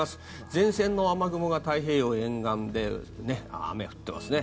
前線の雨雲が太平洋沿岸で雨が降っていますね。